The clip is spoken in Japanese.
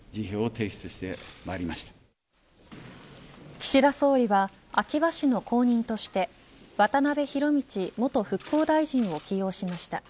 岸田総理は秋葉氏の後任として渡辺博道元復興大臣を起用しました。